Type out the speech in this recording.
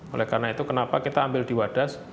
oleh karena itu kenapa kita ambil di wadas